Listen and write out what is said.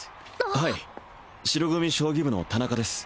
はい白組将棋部の田中です